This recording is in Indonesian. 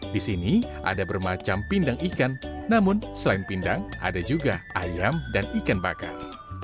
di sini ada bermacam pindang ikan namun selain pindang ada juga ayam dan ikan bakar